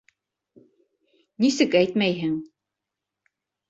Нисек, әйтмәйһең?